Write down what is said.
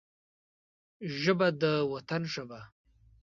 ژبه د وطن ژبه ده